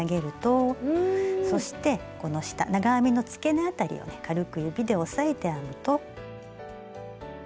そしてこの下長編みの付け根あたりをね軽く指で押さえて編むと。